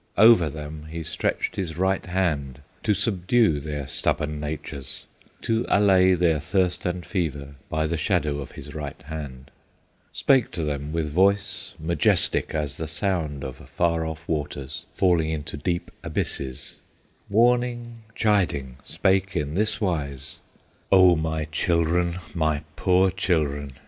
Over them he stretched his right hand, To subdue their stubborn natures, To allay their thirst and fever, By the shadow of his right hand; Spake to them with voice majestic As the sound of far off waters, Falling into deep abysses, Warning, chiding, spake in this wise: "O my children! my poor children!